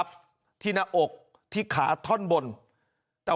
เผื่อ